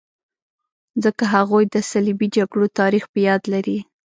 ځکه هغوی د صلیبي جګړو تاریخ په یاد لري.